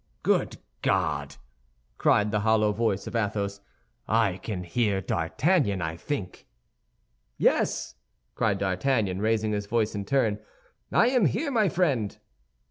"Good God!" cried the hollow voice of Athos, "I can hear D'Artagnan, I think." "Yes," cried D'Artagnan, raising his voice in turn, "I am here, my friend."